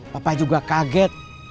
papa juga kaget